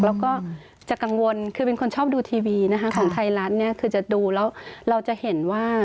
แล้วก็จะกังวลคือเป็นคนชอบดูทีวีนะคะของไทยรัฐเนี่ยคือจะดูแล้วเราจะเห็นว่า